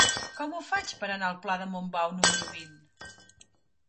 Com ho faig per anar al pla de Montbau número vint?